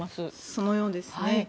そのようですね。